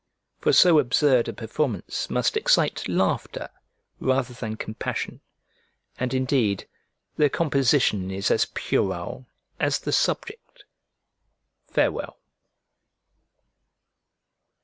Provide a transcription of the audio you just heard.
For so absurd a performance must excite laughter rather than compassion; and indeed the composition is as puerile as the subject. Farewell.